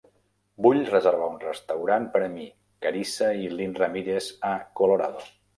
Vull reservar un restaurant per a mi, Carissa i Lynn Ramirez a Colorado.